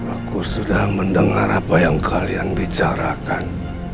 aku sudah mendengar apa yang kalian bicarakan